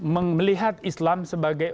melihat islam sebagai